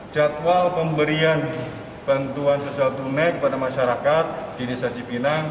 jadwal pemberian bantuan sosial tunai kepada masyarakat di desa cipinang